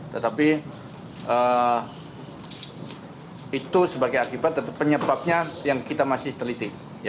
tetapi itu sebagai akibat penyebabnya yang kita masih teliti